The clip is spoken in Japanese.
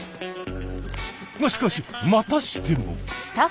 がしかしまたしても。